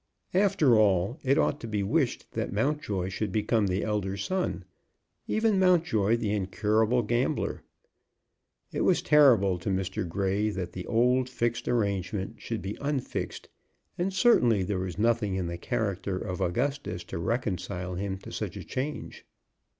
After all, it ought to be wished that Mountjoy should become the elder son, even Mountjoy, the incurable gambler. It was terrible to Mr. Grey that the old, fixed arrangement should be unfixed, and certainly there was nothing in the character of Augustus to reconcile him to such a change.